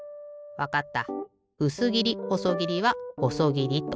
わかった。